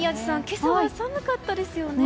今朝は寒かったですよね。